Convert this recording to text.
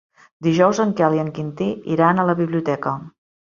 Dijous en Quel i en Quintí iran a la biblioteca.